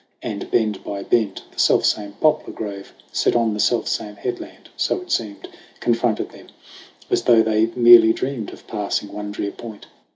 And bend by bend the selfsame poplar grove, Set on the selfsame headland, so it seemed, Confronted them, as though they merely dreamed Of passing one drear point.